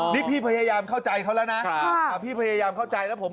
นี่พี่พยายามเข้าใจเขาแล้วนะพี่พยายามเข้าใจแล้วผม